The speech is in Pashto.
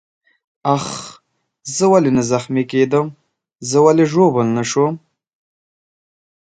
آخ، زه ولې نه زخمي کېدم؟ زه ولې ژوبل نه شوم؟